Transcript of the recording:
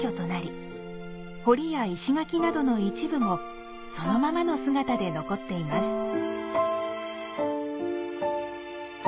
濠や石垣などの一部もそのままの姿で残っています。